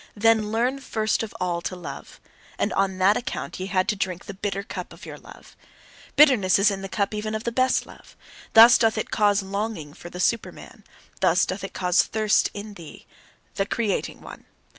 Then LEARN first of all to love. And on that account ye had to drink the bitter cup of your love. Bitterness is in the cup even of the best love: thus doth it cause longing for the Superman; thus doth it cause thirst in thee, the creating one!